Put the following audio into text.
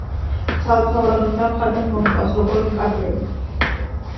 ცალთვალა რომ დავხატო, მომკლავს, როგორ მკადრეო;